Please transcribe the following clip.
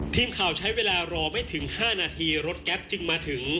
ทีมข่าวใช้เวลารอไม่ถึง๕นาทีรถแก๊ปจึงมาถึง